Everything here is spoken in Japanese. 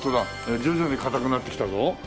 徐々に硬くなってきたぞ。